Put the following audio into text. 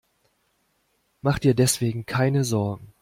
Mach dir deswegen keine Sorgen.